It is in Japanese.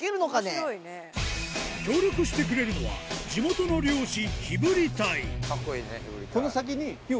協力してくれるのは地元の漁師